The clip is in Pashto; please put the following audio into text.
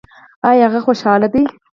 ایا هغه خوشحاله دی؟